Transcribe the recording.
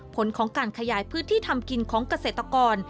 ผลของการขยายพื้นที่ทำกินของเกษตรกร